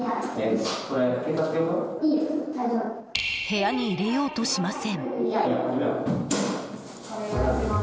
部屋に入れようとしません。